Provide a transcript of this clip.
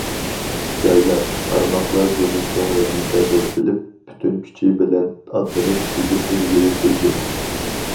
جايلار، تارماقلار بۇنى چوڭ ۋەزىپە دەپ بىلىپ، پۈتۈن كۈچى بىلەن ئاتلىنىپ، سىجىل ئىلگىرى سۈردى.